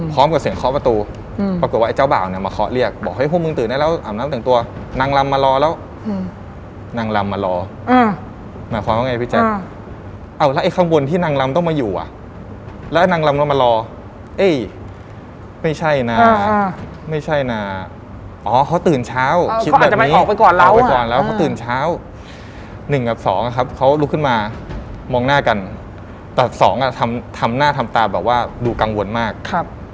พร้อมกับเสียงเคาะประตูอืมปรากฎว่าไอ้เจ้าบ่าวเนี่ยมาเคาะเรียกบอกให้พวกมึงตื่นได้แล้วอำน้ำแต่งตัวนางรำมารอแล้วอืมนางรำมารออืมหมายความว่าไงพี่แจ๊คอ้าวแล้วไอ้ข้างบนที่นางรำต้องมาอยู่อ่ะแล้วนางรำมารอเอ๊ยไม่ใช่น่าไม่ใช่น่าอ๋อเขาตื่นเช้าเขาอาจจะไม่ออกไปก่อนแล้วอ่ะออก